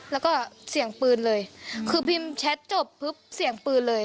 แล้วก็เสียงปืนเลยคือพิมพ์แชทจบปุ๊บเสียงปืนเลย